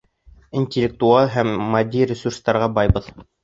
Интеллектуаль һәм матди ресурстарға байбыҙ.